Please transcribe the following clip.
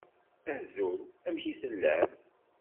Azul! Amek i tellam?